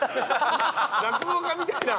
落語家みたいな。